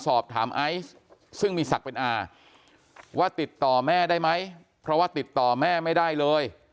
ไอซ์ซึ่งมีศักดิ์เป็นอาว่าติดต่อแม่ได้ไหมเพราะว่าติดต่อแม่ไม่ได้เลย